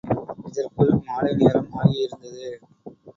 இதற்குள் மாலை நேரம் ஆகியிருந்தது.